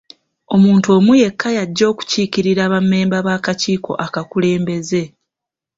Omuntu omu yekka y'ajja okukiikirira bammemba b'akakiiko akakulembeze.